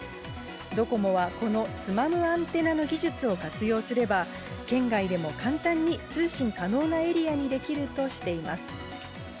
ドコモは、このつまむアンテナの技術を活用すれば、圏外でも簡単に通信可能なエリアにできるとしています。